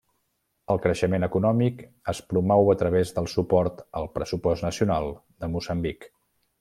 El creixement econòmic es promou a través del suport al pressupost nacional de Moçambic.